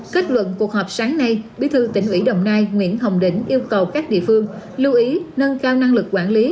kết luận cuộc họp sáng nay bí thư tỉnh ubnd nguyễn hồng đỉnh yêu cầu các địa phương lưu ý nâng cao năng lực quản lý